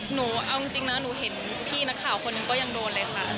หนูเอาจริงนะหนูเห็นพี่นักข่าวคนหนึ่งก็ยังโดนเลยค่ะ